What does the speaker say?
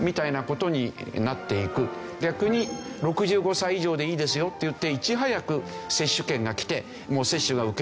逆に６５歳以上でいいですよって言っていち早く接種権が来てもう接種が受けられる。